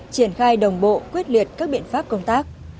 triển khai đồng bộ quyết liệt các biện pháp công tác